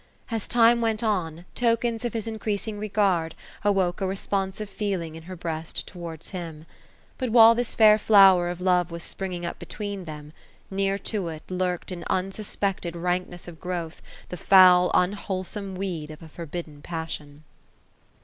As time went on, tokens of his increasing regard, awoke a responsive feeling ii» her breast towards him. But while this fair flower of love was springing up between them. — near to it lurked in unsuspected rankness of growth, the foul unwholesome weed of a forbidden passion.